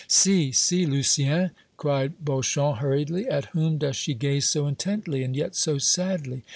"See, see, Lucien!" cried Beauchamp, hurriedly; "at whom does she gaze so intently, and yet so sadly?